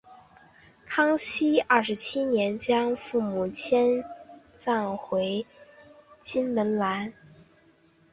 康熙二十七年将父母迁葬回金门兰厝山。